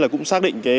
cũng xác định